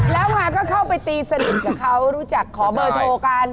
แล้วมาก็เข้าไปตีสนิทกับเขารู้จักขอเบอร์โทรกัน